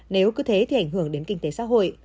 nếu cứ thế thì ảnh hưởng đến kinh tế xã hội